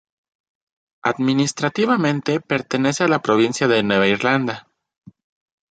Administrativamente pertenece a la provincia de Nueva Irlanda.